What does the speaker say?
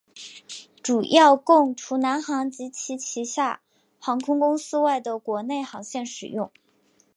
主要供除南航及其旗下航空公司外的国内航线使用。